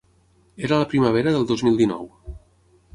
Era la primavera del dos mil dinou.